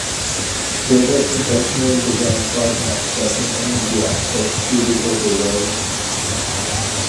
Gearbox intentionally designed five maps that can only be accessed through the overworld.